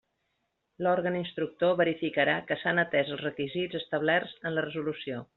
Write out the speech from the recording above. L'òrgan instructor verificarà que s'han atés els requisits establerts en la resolució.